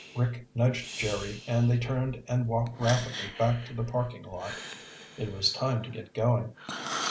Rick nudged Jerry and they turned and walked rapidly back to the parking lot. It was time to get going.